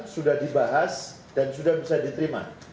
sudah dibahas dan sudah bisa diterima